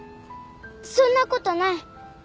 そんなことない